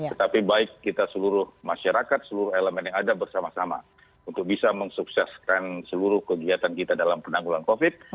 tetapi baik kita seluruh masyarakat seluruh elemen yang ada bersama sama untuk bisa mensukseskan seluruh kegiatan kita dalam penanggulan covid